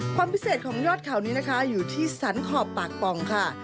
ความพิเศษของยอดเขานี้นะคะอยู่ที่สรรขอบปากป่องค่ะ